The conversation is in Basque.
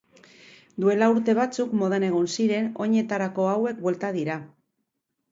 Duela urte batzuk modan egon ziren oinetako hauek bueltan dira.